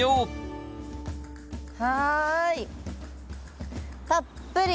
はい。